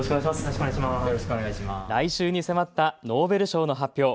来週に迫ったノーベル賞の発表。